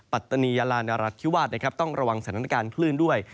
ปัตตานียาลานรัฐธิวาสนะครับต้องระวังสถานการณ์คลื่นด้วย